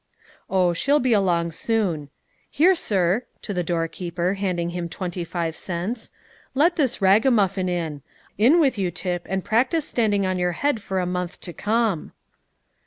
"Oh, she'll be along soon. Here, sir," to the doorkeeper, handing him twenty five cents, "let this ragamuffin in. In with you, Tip, and practise standing on your head for a month to come."